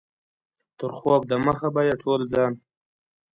تر خوب دمخه به یې ټول ځان.